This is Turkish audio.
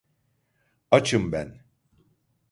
Açım ben.